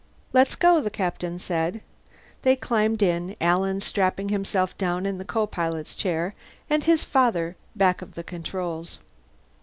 "Let's go," the Captain said. They climbed in, Alan strapping himself down in the co pilot's chair and his father back of the controls.